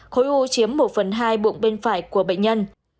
khối u chiếm một phần hai bụng bên phải của bệnh nhân